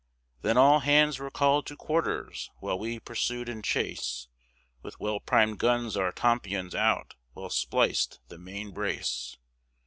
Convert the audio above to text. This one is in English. Then all hands were called to quarters, while we pursued in chase, With well prim'd guns, our tompions out, well spliced the main brace.